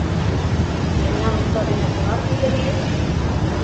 — Мемнан окса дене кунар тиде лиеш?